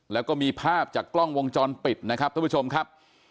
แล้วก็มีภาพจากกล้องวงจรปิดนะครับท่านผู้ชมครับ